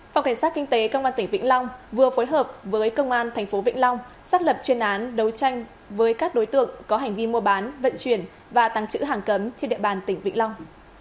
phòng cảnh sát kinh tế công an tỉnh vĩnh long vừa phối hợp với công an tp vĩnh long xác lập chuyên án đấu tranh với các đối tượng có hành vi mua bán vận chuyển và tăng chữ hàng cấm trên địa bàn tỉnh vĩnh long